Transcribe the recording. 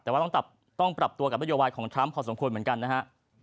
แต่ว่าต้องปรับตัวกับนโยบายของทรัมป์พอสมควรเหมือนกันนะฮะ